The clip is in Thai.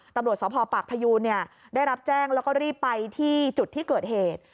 ตำรวจสภปากพยูนได้รับแจ้งแล้วก็รีบไปที่จุดที่เกิดเหตุ